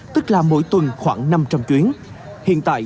tức là mỗi tuần khoảng năm trăm linh chuyến